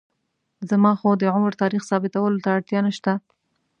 زما خو د عمر تاریخ ثابتولو ته اړتیا نشته.